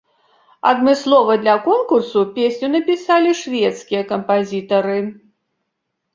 Адмыслова для конкурсу песню напісалі шведскія кампазітары.